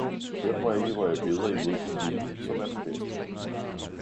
Hør mig ikke, hvor jeg beder imod din vilje, som er den bedste!